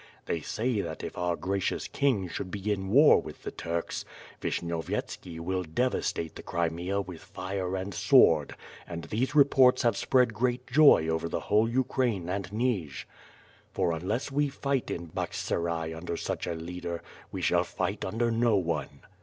"They say, that if our gracious King should begin war with the Turks, Vishnyovyetski will devastate the Crimea with fire and sword, and these reports have spread great joy over the whole Ukraine and Nij, for unless we fight in Bakhch Serai under such a leader, we shall fight under no one."